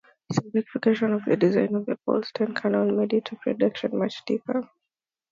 Simplification of the design of the Polsten cannon made its production much cheaper.